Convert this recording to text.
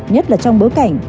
nhất là trong bối cảnh